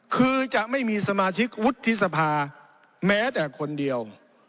คือจะไม่มีสมาชิกวุฒิสภาแม้แต่คนเดียว